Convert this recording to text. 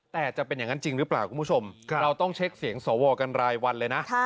แต่จะเป็นอย่างนั้นจริงหรือเปล่าคุณผู้ชมเราต้องเช็คเสียงสวกันรายวันเลยนะ